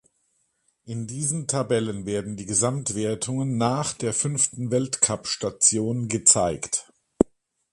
In diesen Tabellen werden die Gesamtwertungen nach der fünften Weltcupstation gezeigt.